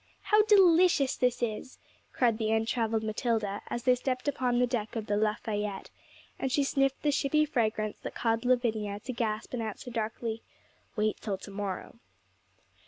'How de licious this is!' cried the untravelled Matilda, as they stepped upon the deck of the 'Lafayette,' and she sniffed the shippy fragrance that caused Lavinia to gasp and answer darkly, 'Wait till to morrow.'